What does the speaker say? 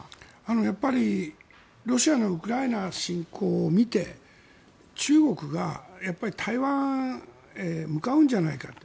やっぱりロシアのウクライナ侵攻を見て中国が台湾へ向かうんじゃないかって。